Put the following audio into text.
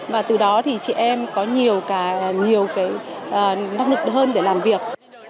và từ đó thì chị em có nhiều năng lực hơn để làm việc